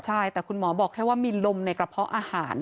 ใช่แต่คุณหมอบอกแค่ว่ามีลมในกระเพาะอาหาร